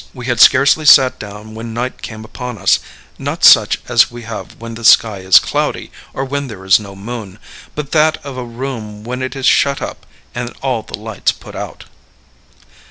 We had scarcely sat down when night came upon us, not such as we have when the sky is cloudy, or when there is no moon, but that of a room when it is shut up and all the lights put out.